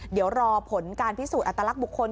เดี๋ยวรอผลการพิสูจน์อัตลักษณ์บุคคล